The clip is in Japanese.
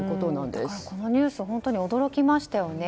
だから、このニュース本当に驚きましたよね。